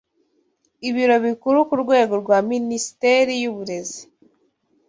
ibiro bikuru kurwego rwa minisiteri yuburezi